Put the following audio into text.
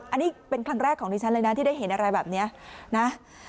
อันนี้เป็นครั้งแรกของดิฉันเลยนะที่ได้เห็นอะไรแบบนี้นะ